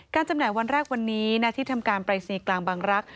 จำหน่ายวันแรกวันนี้ณที่ทำการปรายศนีย์กลางบางรักษ